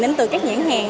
đến từ các nhãn hàng